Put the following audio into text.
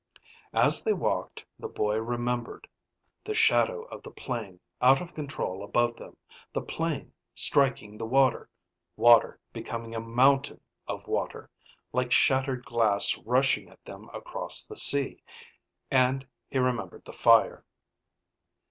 As they walked, the boy remembered: the shadow of the plane out of control above them, the plane striking the water, water becoming a mountain of water, like shattered glass rushing at them across the sea. And he remembered the fire.